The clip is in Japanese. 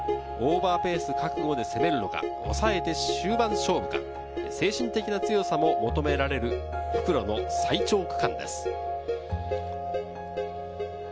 オーバーペース覚悟で攻めるのか、抑えて終盤勝負か、精神的な強さも求められる復路の最長区間です。